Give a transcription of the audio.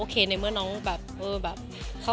คุณตูน้องก็คิดว่าน้องมันจะดูด้วยหรือเปล่า